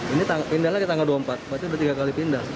ini pindah lagi tanggal dua puluh empat berarti sudah tiga kali pindah